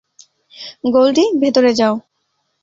গোল্ডি, ভেতরে যাও।